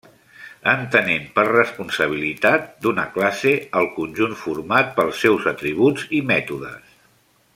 Entenent per responsabilitat d'una classe al conjunt format pels seus atributs i mètodes.